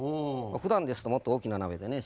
ふだんですともっと大きな鍋でね４０５０